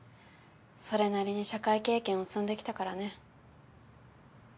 それなりに社会経験を積んできたからね。